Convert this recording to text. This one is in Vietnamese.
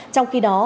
trong khi đó